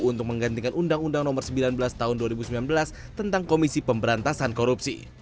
untuk menggantikan undang undang nomor sembilan belas tahun dua ribu sembilan belas tentang komisi pemberantasan korupsi